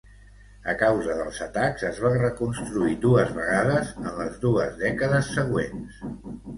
A causa dels atacs es va reconstruir dues vegades en les dues dècades següents.